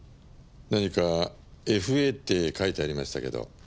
何か「ＦＡ」って書いてありましたけど。